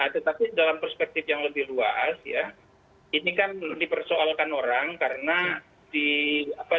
tetapi dalam perspektif yang lebih luas ya ini kan dipersoalkan orang karena di apa